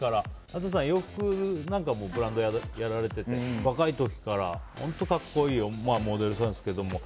新さん、洋服なんかもブランドをやられてて若い時から本当格好いいモデルさんですけど。